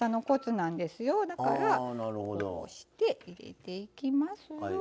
だからこうして入れていきますよ。